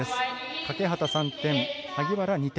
欠端３点、萩原２点。